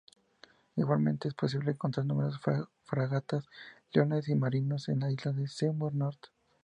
Igualmente es posible encontrar numerosas fragatas y leones marinos en la isla Seymour Norte.